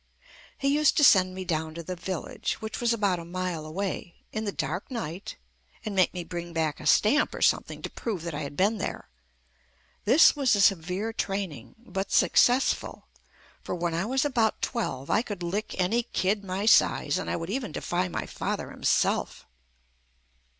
He used to send me down to the village, which was about a mile away, in the dark night and make me bring back a stamp or something to prove that I had been there. This was a severe training but successful, for when I was about twelve I could lick any kid my size and I would even defy my father himself.